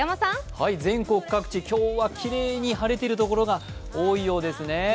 全国各地、今日はきれいに晴れているところが多いようですね。